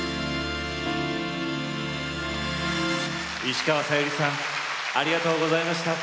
石川さゆりさんありがとうございました。